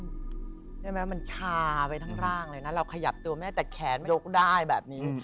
ใช่ไหมมันชาไปทั้งร่างเลยนะเราขยับตัวแม่แต่แขนมันยกได้แบบนี้